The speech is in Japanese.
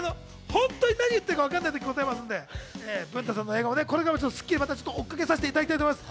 本当に何言ってるかわからないときございますので、文太さんの映画、これからまた『スッキリ』は追っかけさせていただきたいと思います。